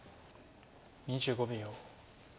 ２５秒。